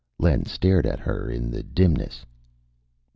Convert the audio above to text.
Len stared at her in the dimness.